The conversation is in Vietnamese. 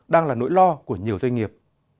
đang là nỗi lo của nhiều doanh nghiệp